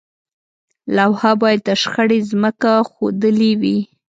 لوحه باید د شخړې ځمکه ښودلې وي.